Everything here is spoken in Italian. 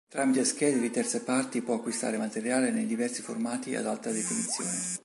Tramite schede di terze parti può acquisire materiale nei diversi formati ad alta definizione.